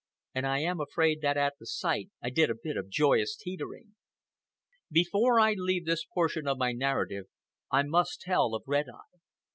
And I am afraid that at the sight I did a bit of joyous teetering. Before I leave this portion of my narrative, I must tell of Red Eye.